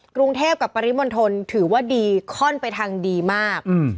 กรุงเทพกับปริมณฑลถือว่าดีค่อนไปทางดีมาก